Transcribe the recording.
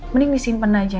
mending disimpen aja